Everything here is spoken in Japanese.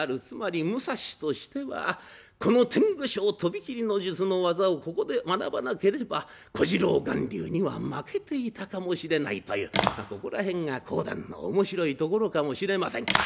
つまり武蔵としてはこの天狗昇飛び斬りの術の技をここで学ばなければ小次郎巌流には負けていたかもしれないというここら辺が講談の面白いところかもしれません。